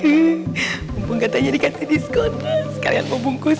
hmm mumpung katanya dikasih diskon sekalian mau bungkus